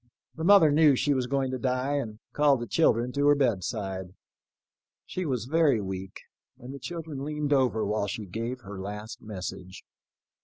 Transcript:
The mother knew she was going to die, and called the children to her bedside. She was very weak, and the children leaned over while she gave her last message.